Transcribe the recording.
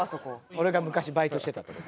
俺が昔バイトしてたとこ。